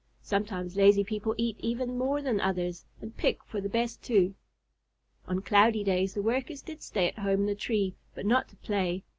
Sometimes lazy people eat even more than others, and pick for the best too. On cloudy days, the Workers did stay at home in the tree, but not to play.